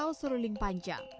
saluang atau suruling panjang